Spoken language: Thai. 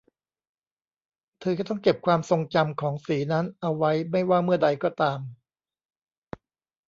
เธอจะต้องเก็บความทรงจำของสีนั้นเอาไว้ไม่ว่าเมื่อใดก็ตาม